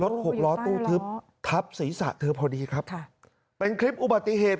หกล้อตู้ทึบทับศีรษะเธอพอดีครับค่ะเป็นคลิปอุบัติเหตุ